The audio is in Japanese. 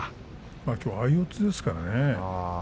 きょうは相四つですからね。